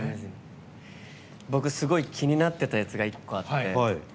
僕、すごい気になってたやつが１個あって。